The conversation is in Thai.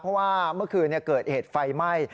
เพราะว่าเมื่อคืนเกิดเหตุไฟไหม้